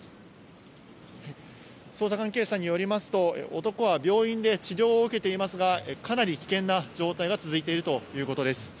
捜査関係者によりますと、男は病院で治療を受けていますが、かなり危険な状態が続いているということです。